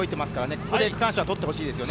ここで区間賞を取ってほしいですね。